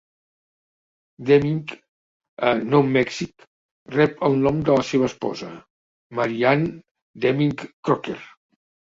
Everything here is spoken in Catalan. Deming, a Nou Mèxic, rep el nom de la seva esposa, Mary Ann Deming Crocker.